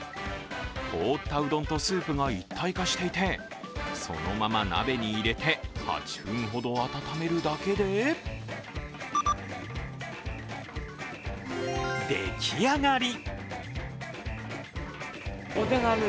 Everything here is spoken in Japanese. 凍ったうどんとスープが一体化していて、そのまま鍋に入れて８分ほど温めるだけででき上がり。